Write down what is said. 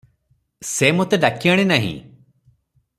ସେ ମୋତେ ଡାକିଆଣି ନାହିଁ ।